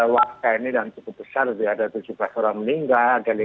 waktu ini sudah cukup besar sudah ada tujuh belas orang meninggal